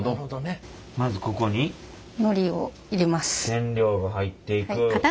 染料が入っていく。